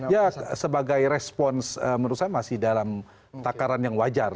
ya sebagai respons menurut saya masih dalam takaran yang wajar